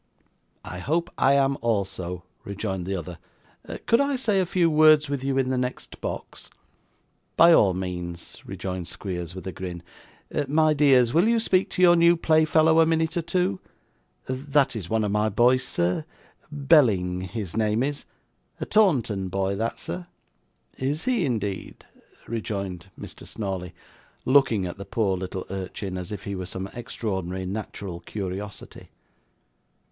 'I hope I am also,' rejoined the other. 'Could I say a few words with you in the next box?' 'By all means,' rejoined Squeers with a grin. 'My dears, will you speak to your new playfellow a minute or two? That is one of my boys, sir. Belling his name is, a Taunton boy that, sir.' 'Is he, indeed?' rejoined Mr. Snawley, looking at the poor little urchin as if he were some extraordinary natural curiosity.